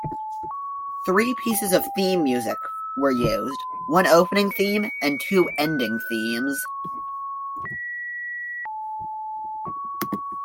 Three pieces of theme music were used: one opening theme and two ending themes.